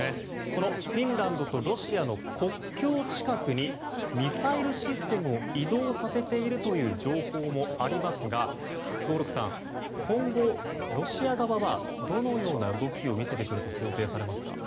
このフィンランドとロシアの国境近くにミサイルシステムを移動させているという情報もありますが合六さん、今後、ロシア側はどのような動きを見せてくると想定されますか？